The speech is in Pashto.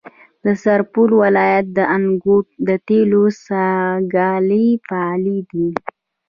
د سرپل ولایت د انګوت د تیلو څاګانې فعالې دي.